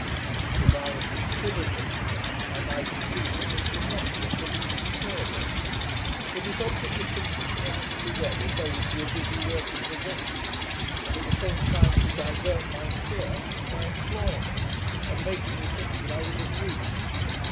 If I had considered the matter, I might have seen that this could not be of the least service; but his object was to keep me out of the way of those who were busy working the vessel, and at the same time to divert my fear, by employing me, and making me think that I was of use.